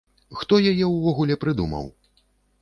Хто яе ўвогуле прыдумаў?